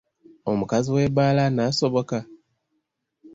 Omukazi w'ebbaala anasoboka?